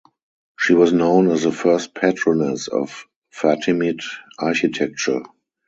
She was known as the first patroness of Fatimid architecture.